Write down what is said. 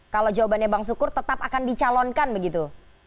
kalau jawabannya bang sukur tetap akan dicalonkan begitu